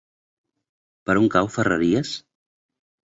Per on cau Ferreries?